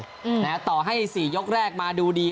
ต่อให้ต่อให้สี่ยกแรกมาดูดี